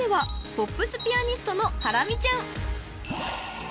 ［ポップスピアニストのハラミちゃん］